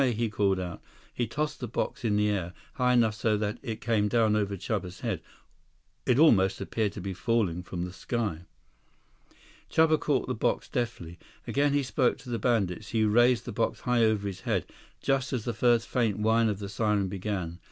he called out. He tossed the box in the air, high enough so that as it came down over Chuba's head, it almost appeared to be falling from the sky. Chuba caught the box deftly. Again he spoke to the bandits. He raised the box high over his head, just as the first faint whine of the siren began.